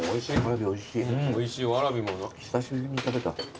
久しぶりに食べた。